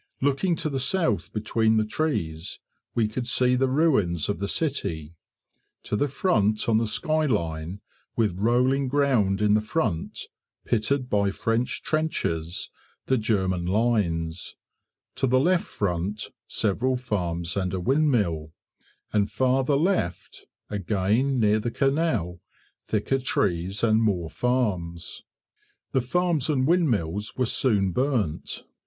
Looking to the south between the trees, we could see the ruins of the city: to the front on the sky line, with rolling ground in the front, pitted by French trenches, the German lines; to the left front, several farms and a windmill, and farther left, again near the canal, thicker trees and more farms. The farms and windmills were soon burnt.